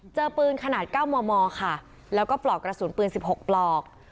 เจอปืนขนาดเก้าหมอค่ะแล้วก็ปลอกกระสุนปืนสิบหกปลอก